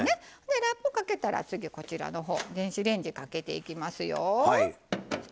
ラップかけたら次電子レンジにかけていきますよ。